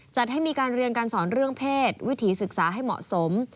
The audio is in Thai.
จัดให้มีการเรียนการสอนเรื่องเพศวิถีศึกษาให้เหมาะสม